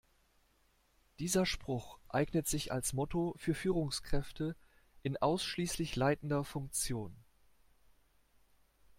Dieser Spruch eignet sich als Motto für Führungskräfte in ausschließlich leitender Funktion.